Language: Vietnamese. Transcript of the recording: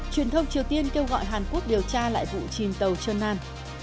truyền thông triều tiên kêu gọi hàn quốc điều tra lại vụ chìm tàu trần nam